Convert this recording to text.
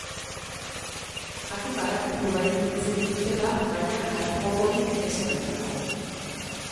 Jakin badakit klubarekin hitz egin dutela, baina haratagokorik ezer ez dago.